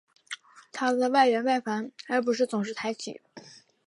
它的边缘外翻而不是总是抬起。